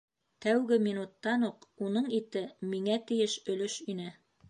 Тәүге минуттан уҡ уның ите миңә тейеш өлөш ине.